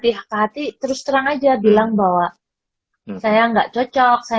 tapi kalau memang ada hati ke hati terus terang aja bilang bahwa saya nggak cocok saya